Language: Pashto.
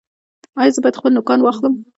ایا زه باید خپل نوکان واخلم؟